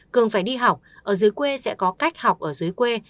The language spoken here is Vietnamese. cường phải đi học ở dưới quê sẽ có cách học ở dưới quê